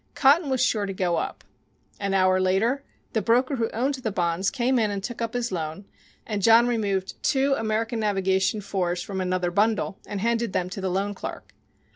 Cotton was sure to go up. An hour later the broker who owned the bonds came in and took up his loan, and John removed two American Navigation 4s from another bundle and handed them to the loan clerk.